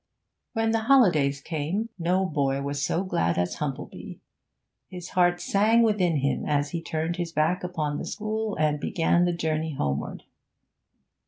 When the holidays came, no boy was so glad as Humplebee; his heart sang within him as he turned his back upon the school and began the journey homeward.